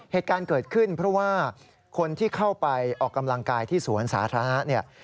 เหตุการณ์เกิดขึ้นเพราะว่าคนที่เข้าไปออกกำลังกายที่สวนสาธารณะเนี่ย